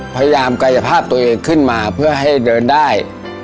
พยายามกายภาพตัวเองขึ้นมาเพื่อให้เดินได้